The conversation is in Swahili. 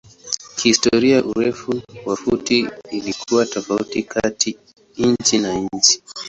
Kihistoria urefu wa futi ilikuwa tofauti kati nchi na nchi.